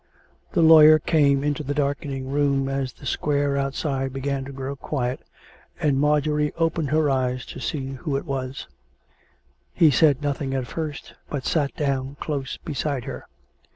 The lawyer came into the darkening room as the square outside began to grow quiet, and Marjorie opened her eyes to see who it was. He said nothing at first, but sat down close beside her.